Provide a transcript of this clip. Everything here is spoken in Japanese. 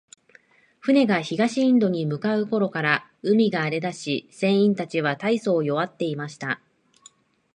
船が東インドに向う頃から、海が荒れだし、船員たちは大そう弱っていました。